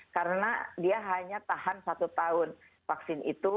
karena dia hanya tahan satu tahun vaksin itu